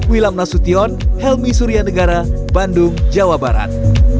wilam nasution helmi surya negara bandung jawa barat